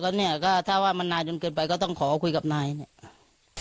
แล้วเนี่ยก็ถ้าว่ามันนานจนเกินไปก็ต้องขอคุยกับนายเนี่ย